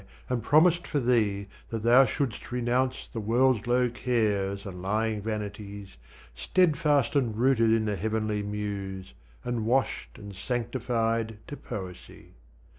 And promised for thee that thou shouldst renounce The world's low cares and lying vanities, Steadfast and rooted in the heavenly Muse, And washed and sanctified to Poesy.